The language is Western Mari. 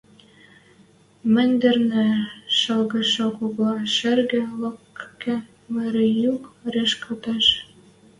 Мӹндӹрнӹ шалгышы кого шӹргӹ лошкы мыры юк рӹшкӓлтеш.